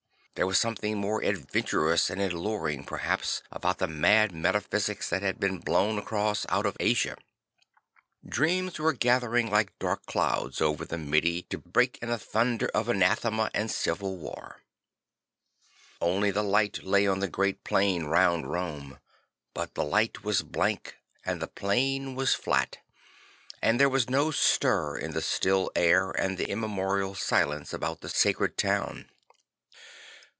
There was something more adventurous and alluring, perhaps, about the mad metaphysics that had been blown across out of Asia. Dreams were gathering like dark clouds over the l\lidi to break in a thunder of anathema and civil war. Francis the Fighter 55 Only the light lay on the great plain round Rome; but the light was blank and the plain was flat; and there was no stir in the still air and the imme morial silence about the sacred town.